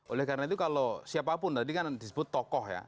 oleh karena itu kalau siapapun tadi kan disebut tokoh ya